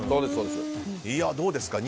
どうですか？